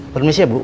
permisi ya bu